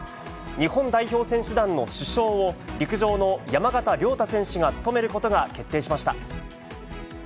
日本代表選手団の主将を、陸上の山縣亮太選手が務めることが決定しました。